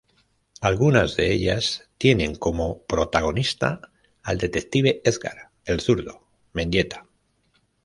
Algunas de ellas tienen como protagonista al detective Edgar "El Zurdo" Mendieta.